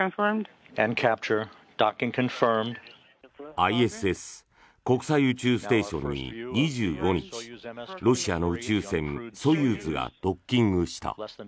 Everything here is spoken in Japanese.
ＩＳＳ・国際宇宙ステーションに２５日、ロシアの宇宙船ソユーズがドッキングした。